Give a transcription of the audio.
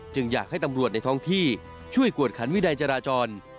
อยากให้ตำรวจในท้องที่ช่วยกวดขันวินัยจราจร